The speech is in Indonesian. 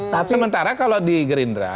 sementara kalau di green dress